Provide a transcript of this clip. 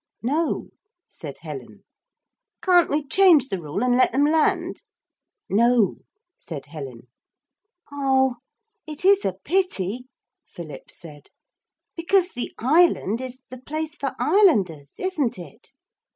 'No,' said Helen. 'Can't we change the rule and let them land?' 'No,' said Helen. 'Oh, it is a pity,' Philip said; 'because the island is the place for islanders, isn't it?'